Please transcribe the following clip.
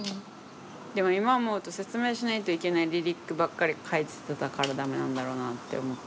でも今思うと説明しないといけないリリックばっかり書いてたからダメなんだろうなって思った。